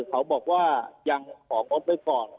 เขาบอกว่ายังของงดไว้ก่อน